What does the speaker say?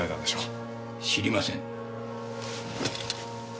知りません。